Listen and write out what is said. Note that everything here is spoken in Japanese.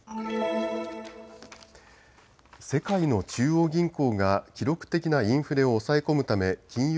世界の中央銀行が記録的なインフレを抑え込むため金融